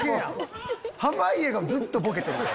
濱家がずっとボケてる。